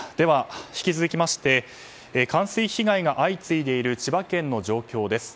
引き続きまして冠水被害が相次いでいる千葉県の状況です。